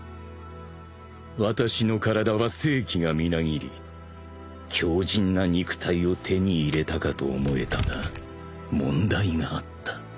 ［私の体は生気がみなぎり強靱な肉体を手に入れたかと思えたが問題があった］